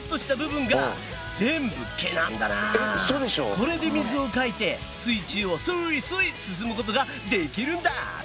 これで水をかいて水中をスイスイ進むことができるんだ！